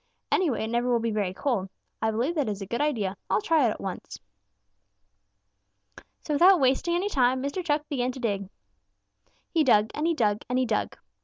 Anyway, it never will be very cold. I believe that is a good idea. I'll try it at once.' "So without wasting any time, Mr. Chuck began to dig. He dug and he dug and he dug.